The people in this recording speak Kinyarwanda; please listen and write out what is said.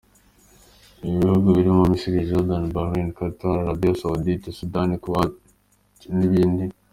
Ibi bihugu birimo Misiri, Jordan, Bahrain, Qatar, Arabia Saudite, Sudani, Kuwait n’ibindi.